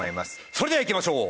それではいきましょう。